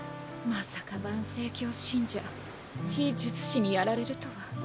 まさか盤星教信者非術師にやられるとは。